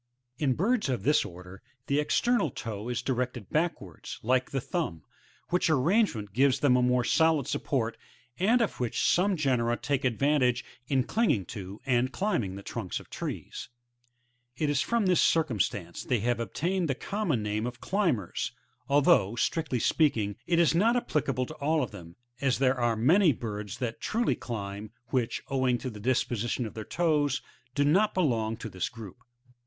14. In birds of this order the external toe is directed back wards like the thumb, which arrangement gives them a more solid support, and of which some genera take advantage m clinging to, and climbing the trunks of trees. {Plate 4, Jig, 5, 6, 7, and 10.) It is from this circumstance they have obtained the common name of Climbers^ although, strictly speaki^, it is not applicable to all of them, as there are many birds that truly climb, which, owing to the disposition of their toes, do not belong to this group.